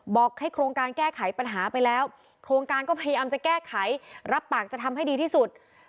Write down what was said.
บอกให้โครงการแก้ไขปัญหาไปแล้วโครงการก็พยายามจะแก้ไขรับปากจะทำให้ดีที่สุด